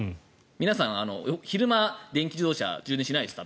皆さん、昼間電気自動車を充電しないです。